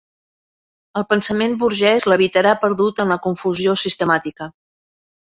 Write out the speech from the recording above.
El pensament burgès levitarà perdut en la confusió sistemàtica.